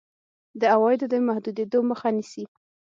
د عوایدو د محدودېدو مخه نیسي.